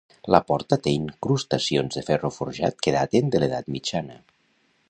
La porta té incrustacions de ferro forjat que daten de l'Edat Mitjana.